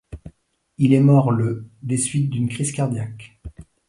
Il est mort le des suites d'une crise cardiaque.